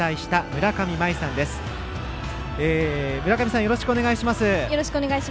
村上さん、よろしくお願いします。